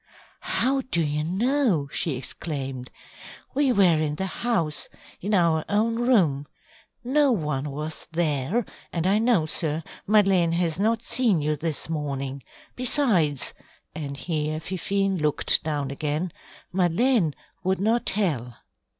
"How do you know?" she exclaimed. "We were in the house in our own room. No one was there, and I know, sir, Madeleine has not seen you this morning; besides," and here Fifine looked down again, "Madeleine would not tell."